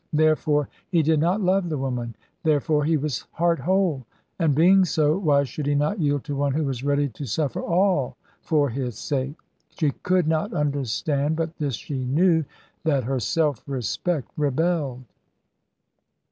Therefore he did not love the woman; therefore he was heart whole; and being so, why should he not yield to one who was ready to suffer all for his sake? She could not understand; but this she knew that her self respect rebelled.